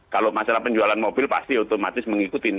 kalau masalah penjualan mobil pasti otomatis mengikuti